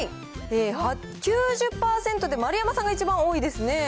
９０％で丸山さんが一番多いですね。